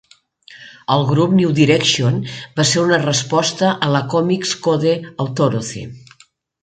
El grup "New Direction" va ser una resposta a la Comics Code Authority.